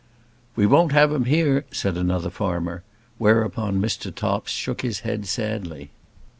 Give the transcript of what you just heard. "We won't have him here," said another farmer, whereupon Mr. Topps shook his head sadly.